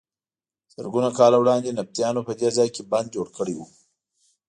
زرګونه کاله وړاندې نبطیانو په دې ځای کې بند جوړ کړی و.